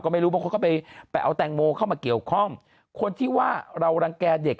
ไม่รู้บางคนก็ไปไปเอาแตงโมเข้ามาเกี่ยวข้องคนที่ว่าเรารังแก่เด็ก